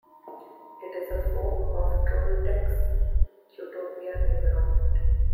It is a fork of Trolltech's Qtopia environment.